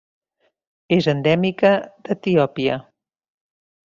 És endèmica d'Etiòpia.